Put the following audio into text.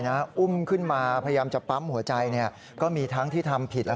อุ้มขึ้นมาพยายามจะปั๊มหัวใจก็มีทั้งที่ทำผิดแล้ว